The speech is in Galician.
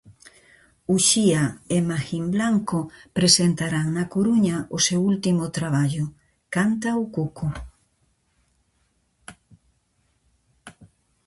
Uxía e Magín Blanco presentarán na Coruña o seu último traballo, "Canta o cuco".